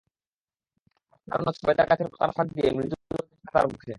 পাশে দাঁড়ানো ছবেদা গাছের পাতার ফাঁক দিয়ে মৃদু রোদ এসে পড়ে তার মুখে।